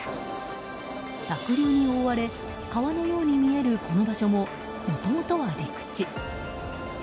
濁流に覆われ川のように見えるこの場所ももともとは、陸地。